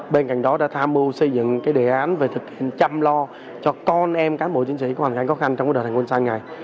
bên cạnh đó đã tham mưu xây dựng đề án về thực hiện chăm lo cho con em cán bộ tiến sĩ tp hcm trong đời hành quân xanh này